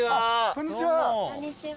こんにちは。